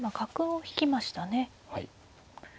はい。